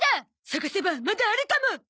探せばまだあるかも！